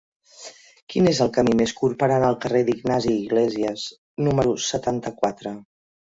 Quin és el camí més curt per anar al carrer d'Ignasi Iglésias número setanta-quatre?